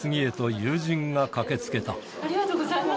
ありがとうございます。